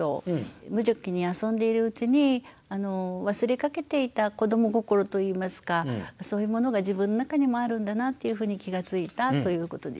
無邪気に遊んでいるうちに忘れかけていた子ども心といいますかそういうものが自分の中にもあるんだなというふうに気が付いたということですね。